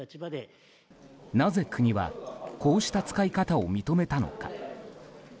なぜ、国はこうした使い方を認めたのか。